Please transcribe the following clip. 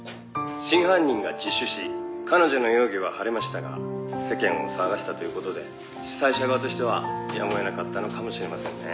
「真犯人が自首し彼女の容疑は晴れましたが世間を騒がせたという事で主催者側としてはやむを得なかったのかもしれませんね」